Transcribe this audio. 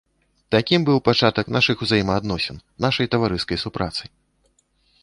Такім быў пачатак нашых узаемаадносін, нашай таварыскай супрацы.